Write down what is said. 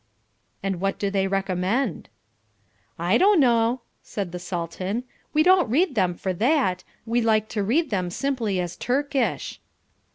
"And what do they recommend?" "I don't know," said the Sultan. "We don't read them for that. We like to read them simply as Turkish."